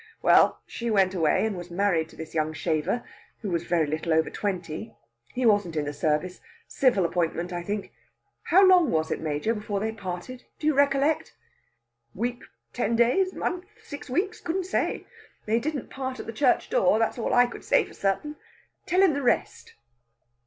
"Well, she went away, and was married to this young shaver, who was very little over twenty. He wasn't in the service civil appointment, I think. How long was it, Major, before they parted? Do you recollect?" "Week ten days month six weeks! Couldn't say. They didn't part at the church door; that's all I could say for certain. Tell him the rest."